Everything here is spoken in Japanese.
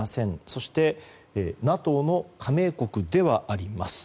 そしてＮＡＴＯの加盟国ではあります。